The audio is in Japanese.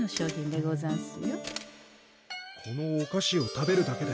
このお菓子を食べるだけで。